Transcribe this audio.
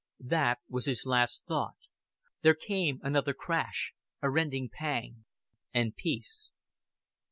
That was his last thought. There came another crash, a rending pang, and peace.